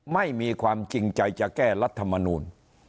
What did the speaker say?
ไม่มีความจริงใจจะแก้รัฐมนูล